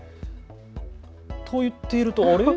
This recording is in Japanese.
と言っていると、あれ？